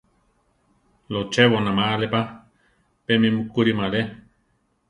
Lochéboname ale pa, pe mi mukúrima alé.